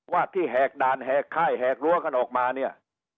ว่าที่แหกด่านแหกค่ายแหกรั้วกันออกมาเนี่ย